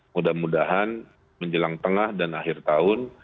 mudah mudahan menjelang tengah dan akhir tahun